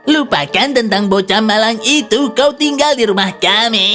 lupakan tentang bocah malang itu kau tinggal di rumah kami